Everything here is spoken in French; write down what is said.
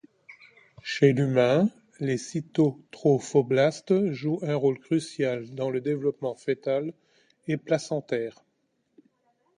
Chez l’humain les cytotrophoblastes jouent un rôle crucial dans le développement fœtal et placentaire.